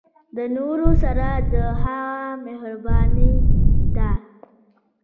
د نورو سره د هغه مهرباني ده.